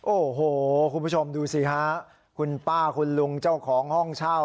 โอ้โหคุณผู้ชมดูสิฮะคุณป้าคุณลุงเจ้าของห้องเช่า